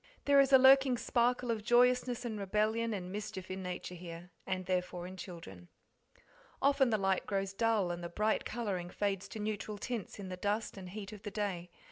There is a lurking sparkle of joyousness and rebellion and mischief in nature here, and therefore in children. Often the light grows dull and the bright colouring fades to neutral tints in the dust and heat of the day.